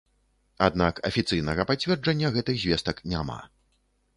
Аднак афіцыйнага пацверджання гэтых звестак няма.